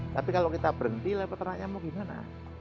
tapi kalau kita berhenti lah peternaknya mau gimana